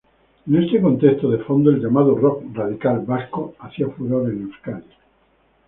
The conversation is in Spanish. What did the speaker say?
En este contexto de fondo, el llamado rock radical vasco hacía furor en Euskadi.